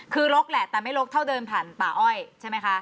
คือลกแหละแต่ไม่ลกเท่าเดินผ่านป่าอ้อยใช่ไหมคะ